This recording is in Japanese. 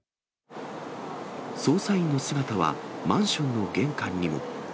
捜査員の姿はマンションの玄関にも。